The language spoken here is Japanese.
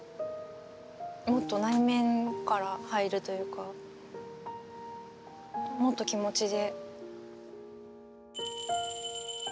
もっと内面から入るというかもっと気持ちで。